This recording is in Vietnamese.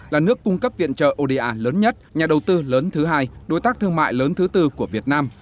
là nước cung cấp viện trợ oda lớn nhất nhà đầu tư lớn thứ hai đối tác thương mại lớn thứ tư của việt nam